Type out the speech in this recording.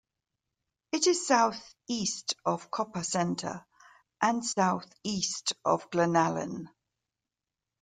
It is southeast of Copper Center and southeast of Glennallen.